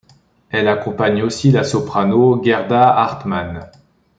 Elle accompagne aussi la soprano Gerda Hartman.